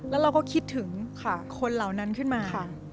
แล้วเราก็คิดถึงคนเหล่านั้นขึ้นมา